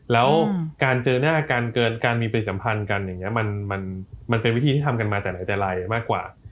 แล้วการเจอหน้าการเกินการมีประสิทธิภัณฑ์กันอย่างนี้มันเป็นวิธีที่ทำกันมาแต่ลายมากกว่า